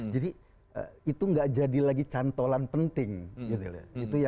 jadi itu nggak jadi lagi cantolan penting gitu ya